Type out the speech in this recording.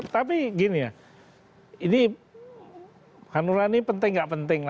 tapi gini ya ini hanura ini penting gak penting